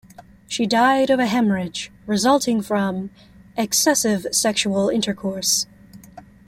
She died of a hemorrhage resulting from "excessive sexual intercourse".